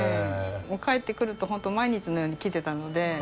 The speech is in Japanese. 帰ってくると本当毎日のように来てたので。